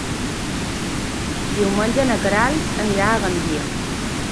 Diumenge na Queralt anirà a Gandia.